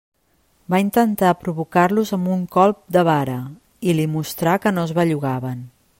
Va intentar provocar-los amb un colp de vara, i li mostrà que no es bellugaven.